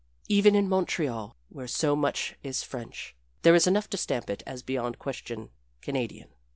Even in Montreal, where so much is French, there is enough to stamp it as beyond question Canadian.